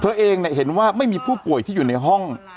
เองเห็นว่าไม่มีผู้ป่วยที่อยู่ในห้อง